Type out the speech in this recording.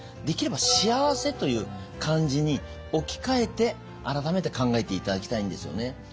できれば幸せという漢字に置き換えて改めて考えていただきたいんですよね。